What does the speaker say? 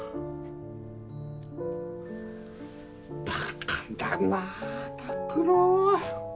バカだなぁ拓郎は。